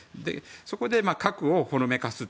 そこで、核をほのめかす。